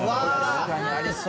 確かにありそう。